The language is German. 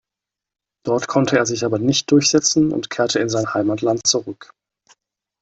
Dort konnte er aber sich nicht durchsetzen und kehrte in sein Heimatland zurück.